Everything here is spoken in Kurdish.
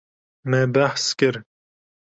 Me behs kir.